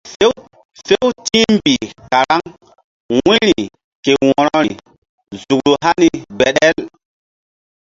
Few ti̧h mbih karaŋ wu̧yri ke wo̧rori nzukru hani gbeɗel.